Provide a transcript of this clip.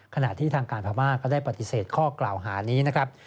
ขณะที่ทางการพม่าก็ได้ปฏิเสธข้อกล่าวหานี้นะครับ